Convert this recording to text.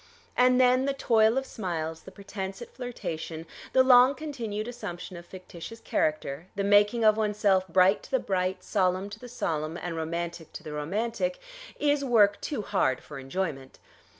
And then the toil of smiles, the pretence at flirtation, the long continued assumption of fictitious character, the making of oneself bright to the bright, solemn to the solemn, and romantic to the romantic, is work too hard for enjoyment.